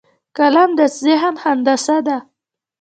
قلم د ذهن هندسه ده